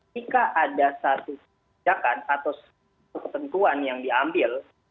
jika ada satu kebijakan atau ketentuan yang diambil